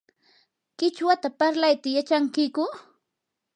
¿qichwata parlayta yachankiyku?